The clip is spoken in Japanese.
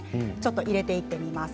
入れていってみます。